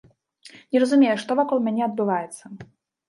Не разумею, што вакол мяне адбываецца.